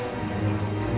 di sekitar amitonon ini